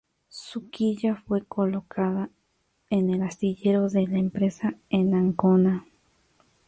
Su quilla fue colocada en el astillero de la empresa en Ancona.